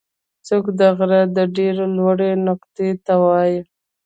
څوکه د غره د ډېرې لوړې نقطې ته وایي.